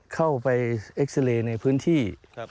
เข้าไปเอ็กซาเรย์ในพื้นที่